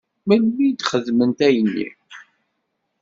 Melmi i m-xedment ayenni?